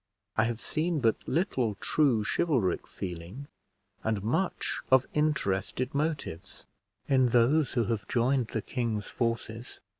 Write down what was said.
I have seen but little true chivalric feeling, and much of interested motives, in those who have joined the king's forces.